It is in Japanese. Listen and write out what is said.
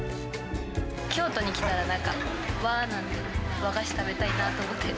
京都に来たら、なんか、和なんで、和菓子食べたいなと思って。